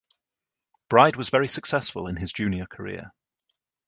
Bryde was very successful in his junior career.